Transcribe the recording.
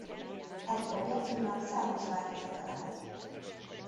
Egy objektumnak számos változata lehet.